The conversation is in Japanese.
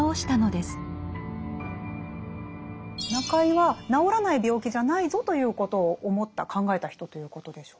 中井は治らない病気じゃないぞということを思った考えた人ということでしょうか？